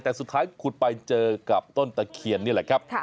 แต่สุดท้ายขุดไปเจอกับต้นตะเคียนนี่แหละครับ